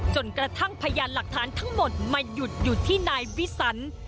จนกระทั่งพยานหลักฐานทั้งหมดมาหยุดอยู่ที่นายวิสัน